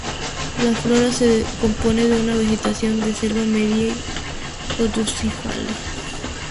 La flora se compone de una vegetación de selva-media caducifolia.